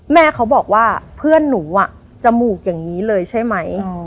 แม่เขาบอกว่าเพื่อนหนูจมูกอย่างนี้เลยใช่ไหม